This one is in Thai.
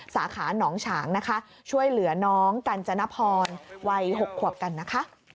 สาขาหนองฉางนะคะช่วยเหลือน้องกัญจนพรวัย๖ขวบกันนะคะ